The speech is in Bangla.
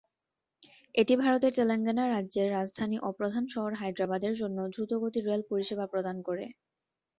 এটি ভারতের তেলেঙ্গানা রাজ্যের রাজধানী ও প্রধান শহর হায়দ্রাবাদের জন্য দ্রুতগতির রেল পরিষেবা প্রদান করে।